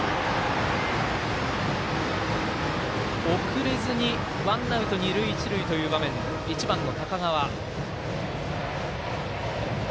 送れずにワンアウト二塁一塁という場面で１番、高川。